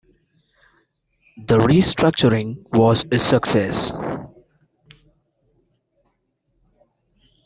The restructuring was a success.